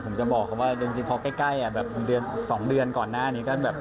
ผมจะบอกเขาว่าจริงพอใกล้แบบเดือน๒เดือนก่อนหน้านี้ก็แบบ